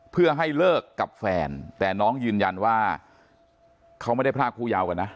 เพื่อให้เลิกกับแฟนแต่น้องยืนยันว่าเขาไม่ได้พรากผู้ยาวกันนะ